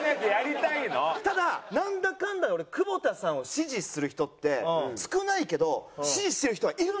ただなんだかんだ俺久保田さんを支持する人って少ないけど支持してる人はいるんですよ。